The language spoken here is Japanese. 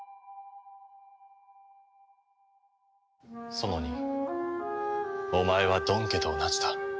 ソノニお前はドン家と同じだ。